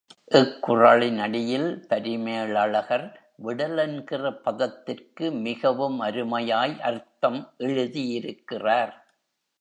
இக் குறளினடியில் பரிமேலழகர், விடல் என்கிற பதத்திற்கு மிகவும் அருமையாய் அர்த்தம் எழுதியிருக்கிறார்.